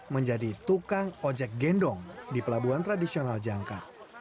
menjadi tukang ojek gendong di pelabuhan tradisional jangkar